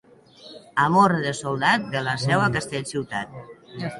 Amor de soldat, de la Seu a Castellciutat.